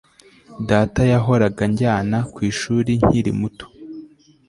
Data yahoraga anjyana ku ishuri nkiri muto